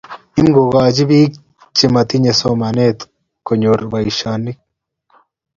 Imukochi bik chematinye somanet konyor boisioshek